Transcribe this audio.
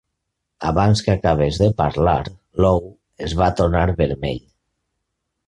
Abans que acabés de parlar l'ou es va tornar vermell.